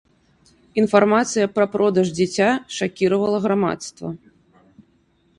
Інфармацыя пра продаж дзіця шакіравала грамадства.